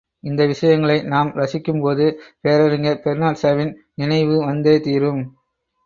இந்த விஷயங்களை நாம் ரசிக்கும் போது பேரறிஞர் பெர்னாட்ஷாவின் நினைவு வந்தே தீரும்.